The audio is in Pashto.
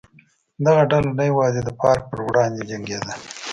دغه ډله نه یوازې د فارک پر وړاندې جنګېده.